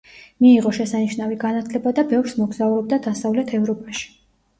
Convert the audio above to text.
მიიღო შესანიშნავი განათლება და ბევრს მოგზაურობდა დასავლეთ ევროპაში.